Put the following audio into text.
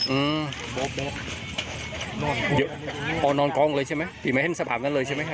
อืมโบ๊คนอนกองเลยใช่มั้ยผีมาเห้นสภาพนั้นเลยใช่มั้ยครับ